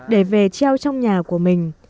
để về treo trong nhà của mình